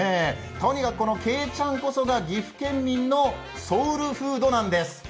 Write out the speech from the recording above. とにかくこのけいちゃんこそが岐阜県民のソウルフードなんです。